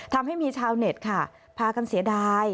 ทำให้มีชาวเน็ตค่ะพากันเสียดาย